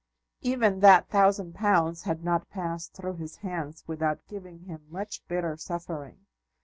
Even that thousand pounds had not passed through his hands without giving him much bitter suffering.